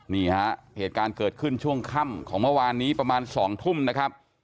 นี่ฮะเหตุการณ์เกิดขึ้นช่วงค่ำของเมื่อวานนี้ประมาณ๒ทุ่มนะครับ